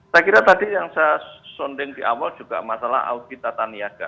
saya kira tadi yang saya sonding di awal juga masalah audita taniaga